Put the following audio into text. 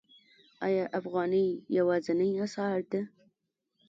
آیا افغانۍ یوازینۍ اسعار ده؟